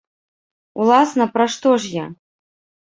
Уласна, пра што ж я?